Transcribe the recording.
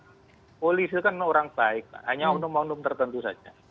jadi mayoritas polisi kan orang baik hanya onom onom tertentu saja